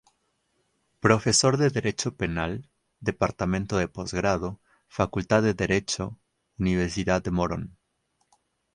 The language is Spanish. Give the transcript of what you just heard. Profesor de Derecho Penal, Departamento de Posgrado, Facultad de Derecho, Universidad de Morón.